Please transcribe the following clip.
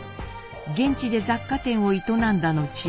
現地で雑貨店を営んだ後